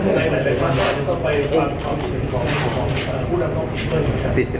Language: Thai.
เพราะฉะนั้นเนี่ยกรุณบินที่ก็จะเป็น